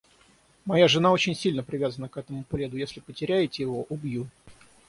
Моя жена очень сильно привязана к этому пледу. Если потеряете его — убью.